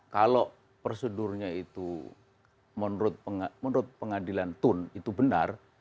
kalau prosedurnya itu menurut pengadilan tun itu benar